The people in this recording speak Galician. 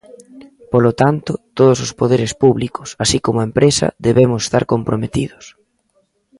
Polo tanto, todos os poderes públicos así como a empresa debemos estar comprometidos.